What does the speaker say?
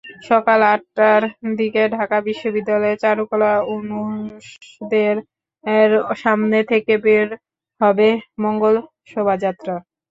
সকাল আটটার দিকে ঢাকা বিশ্ববিদ্যালয়ের চারুকলা অনুষদের সামনে থেকে বের হবে মঙ্গল শোভাযাত্রা।